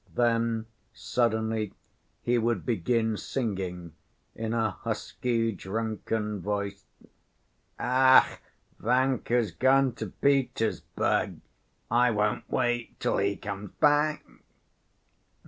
Then suddenly he would begin singing in a husky drunken voice: "Ach, Vanka's gone to Petersburg; I won't wait till he comes back."